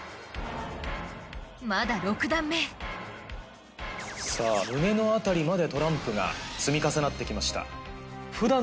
まだ６段目さぁ胸の辺りまでトランプが積み重なってきました。